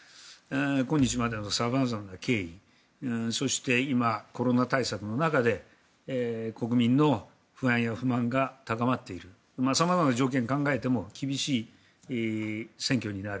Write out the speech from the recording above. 今日までの様々な経緯そして今、コロナ対策の中で国民の不安や不満が高まっている様々な条件を考えても厳しい選挙になる。